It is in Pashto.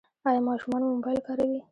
ایا ماشومان مو موبایل کاروي؟